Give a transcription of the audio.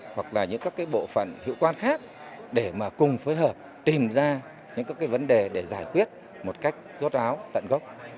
hoặc là những bộ phận hiệu quan khác để cùng phối hợp tìm ra những vấn đề để giải quyết một cách rốt ráo tận gốc